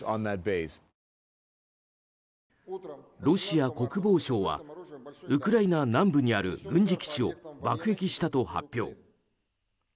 ロシア国防省はウクライナ南部にある軍事基地を爆撃したと発表。